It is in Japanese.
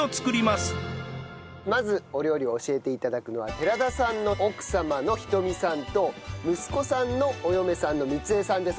まずお料理を教えて頂くのは寺田さんの奥様の仁美さんと息子さんのお嫁さんの光恵さんです。